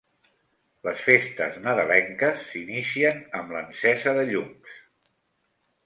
Les festes nadalenques s'inicien amb l'encesa de llums.